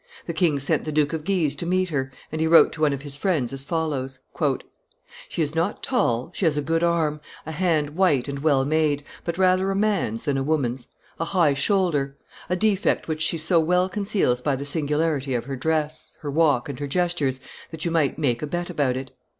The king sent the Duke of Guise to meet her, and he wrote to one of his friends as follows: "She is not tall, she has a good arm, a hand white and well made, but rather a man's than a woman's, a high shoulder, a defect which she so well conceals by the singularity of her dress, her walk, and her gestures, that you might make a bet about it.